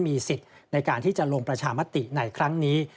มีสิทธิ์ในการที่จะลงประชามติในครั้งนี้